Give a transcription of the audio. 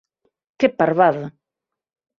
Que parvada!